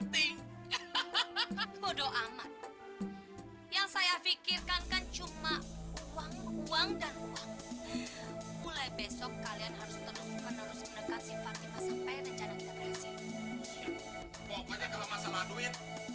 bodo amat yang saya pikirkan kan cuma uang uang dan uang mulai besok kalian harus